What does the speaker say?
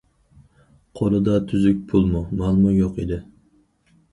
قولىدا تۈزۈك پۇلمۇ، مالمۇ يوق ئىدى.